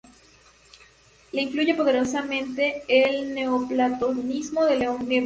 Le influye poderosamente el neoplatonismo de León Hebreo.